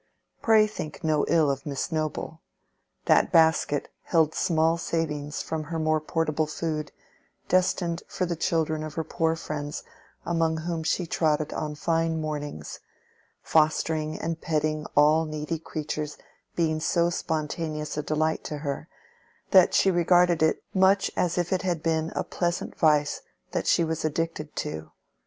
Pray think no ill of Miss Noble. That basket held small savings from her more portable food, destined for the children of her poor friends among whom she trotted on fine mornings; fostering and petting all needy creatures being so spontaneous a delight to her, that she regarded it much as if it had been a pleasant vice that she was addicted to.